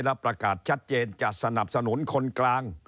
และประกาศชัดเจนจะสนับสนุนคนกลาง